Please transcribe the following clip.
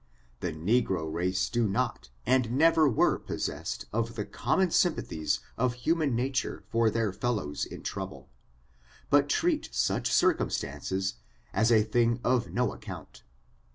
The negro race do not, and never were possessed of the common sympathies of human nature for their fellows in trouble, but treat such circumstances as a thing of no account.